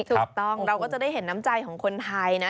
ถูกต้องเราก็จะได้เห็นน้ำใจของคนไทยนะ